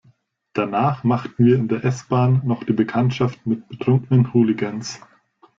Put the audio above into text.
Danach machten wir in der S-Bahn noch die Bekanntschaft mit betrunkenen Hooligans.